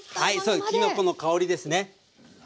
そうですきのこの香りですね。